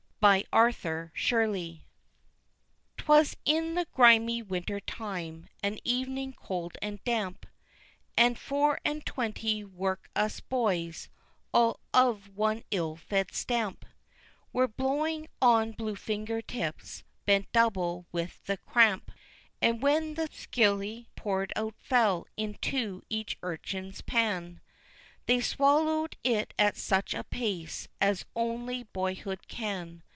ARTHUR SHIRLEY. 'Twas in the grimy winter time, an evening cold and damp, And four and twenty work'us boys, all of one ill fed stamp, Were blowing on blue finger tips, bent double with the cramp; And when the skilly poured out fell into each urchin's pan They swallowed it at such a pace as only boyhood can.